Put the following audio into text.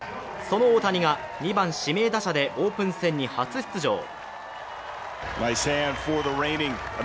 その大谷が２番・指名打者でオープン戦に初出場。